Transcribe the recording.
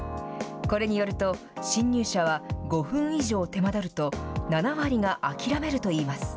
これによると、侵入者は５分以上手間取ると、７割が諦めるといいます。